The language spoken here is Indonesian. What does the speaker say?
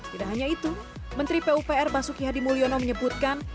tidak hanya itu menteri pupr basuki hadi mulyono menyebutkan